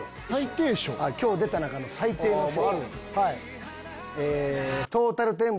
今日出た中の最低の賞。